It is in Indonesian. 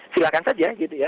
silahkan saja gitu ya